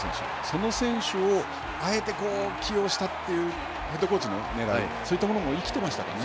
その選手をあえて起用したという、ヘッドコーチのねらい、そういったものもそうですね。